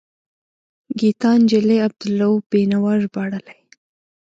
ګیتا نجلي عبدالرؤف بینوا ژباړلی.